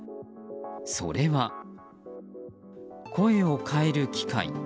それは声を変える機械。